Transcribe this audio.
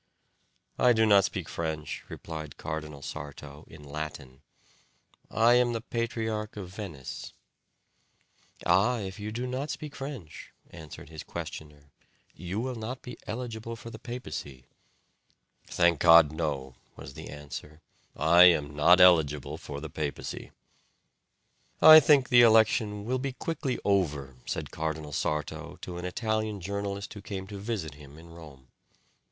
"I do not speak French," replied Cardinal Sarto, in Latin; "I am the patriarch of Venice." "Ah! if you do not speak French," answered his questioner, "you will not be eligible for the papacy." "Thank God, no," was the answer; "I am not eligible for the papacy." "I think the election will be quickly over," said Cardinal Sarto to an Italian journalist who came to visit him in Rome.